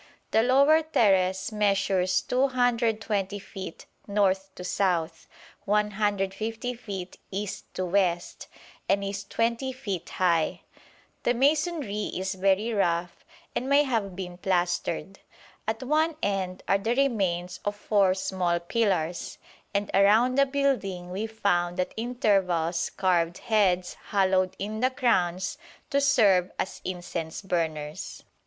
The lower terrace measures 220 feet north to south, 150 feet east to west, and is 20 feet high. The masonry is very rough, and may have been plastered. At one end are the remains of four small pillars, and around the building we found at intervals carved heads hollowed in the crowns to serve as incense burners.